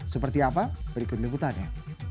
seperti apa berikut liputannya